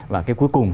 và cái cuối cùng